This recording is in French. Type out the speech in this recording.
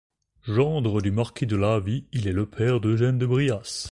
Gendre du marquis de Lavie, il est le père d'Eugène de Bryas.